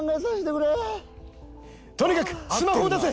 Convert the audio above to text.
とにかくスマホを出せ！